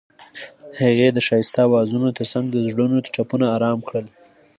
هغې د ښایسته اوازونو ترڅنګ د زړونو ټپونه آرام کړل.